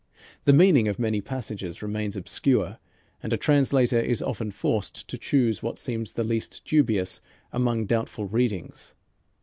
The meaning of many passages remains obscure, and a translator is often forced to choose what seems the least dubious among doubtful readings.